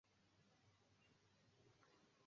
ya kitaaluma kulinda mipaka ya nchi